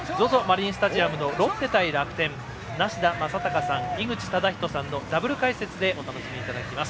マリンスタジアムのロッテ対楽天梨田昌孝さん、井口資仁さんのダブル解説でお楽しみいただきます。